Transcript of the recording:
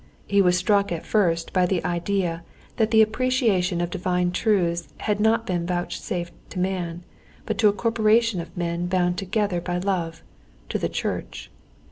He was struck at first by the idea that the apprehension of divine truths had not been vouchsafed to man, but to a corporation of men bound together by love—to the church.